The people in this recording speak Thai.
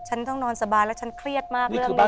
ฉันต้องนอนสบายแล้วฉันเครียดมากเรื่องนี้